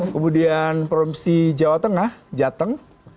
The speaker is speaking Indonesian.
kemudian provinsi jawa tengah jateng